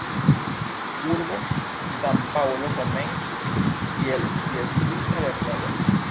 Urbo San-Paŭlo komencis kiel jezuita lernejo.